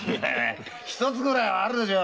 ひとつぐらいあるでしょう。